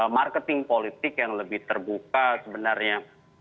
marketing politik yang lebih terbuka sebenarnya